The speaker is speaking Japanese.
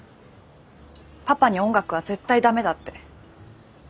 パパに音楽は絶対ダメだって。